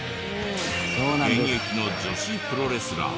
現役の女子プロレスラー。